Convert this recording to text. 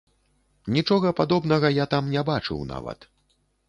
Нічога падобнага я там не бачыў нават.